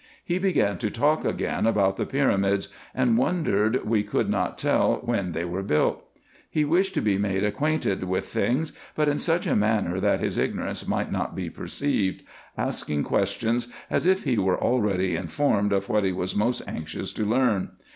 He began to talk again about the pyramids, and wondered we could not tell when they were built. He wished to be made acquainted with things, but in such a manner that his ignorance might not be perceived, asking questions as if he were already informed of what he was most anxious to learn.